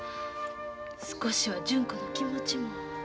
少しは純子の気持ちも。